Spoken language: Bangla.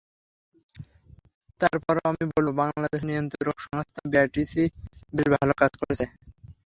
তার পরও আমি বলব, বাংলাদেশের নিয়ন্ত্রক সংস্থা বিটিআরসি বেশ ভালো কাজ করছে।